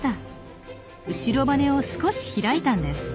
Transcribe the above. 後ろ羽を少し開いたんです。